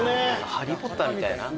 『ハリー・ポッター』みたい。